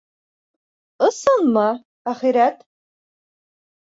— Ысынмы, әхирәт?